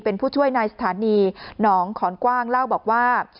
เป็นผู้ช่วยในสถานีหนองขอนกว้างเล่าบอกว่า